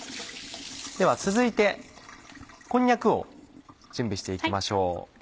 では続いてこんにゃくを準備して行きましょう。